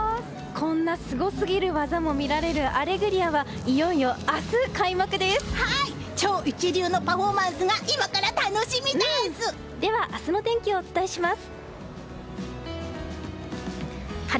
こんなすごすぎる技も見られる「アレグリア」は超一流のパフォーマンスがでは明日の天気をお伝えします。